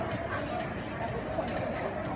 มันเป็นสิ่งที่จะให้ทุกคนรู้สึกว่า